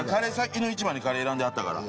い琉貳屬カレー選んではったから。